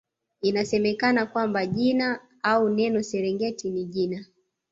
Inasemekana kwamba jina au neno Serengeti ni jina